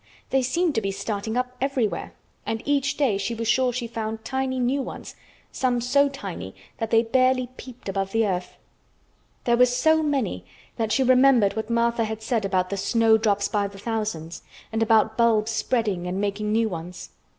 They seemed to be starting up everywhere and each day she was sure she found tiny new ones, some so tiny that they barely peeped above the earth. There were so many that she remembered what Martha had said about the "snowdrops by the thousands," and about bulbs spreading and making new ones.